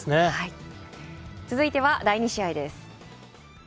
続いては第２試合です。